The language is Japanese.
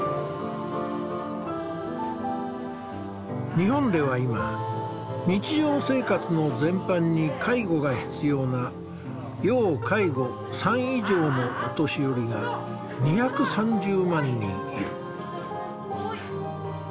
日本では今日常生活の全般に介護が必要な「要介護３」以上のお年寄りが２３０万人いる。